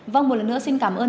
vâng một lần nữa xin cảm ơn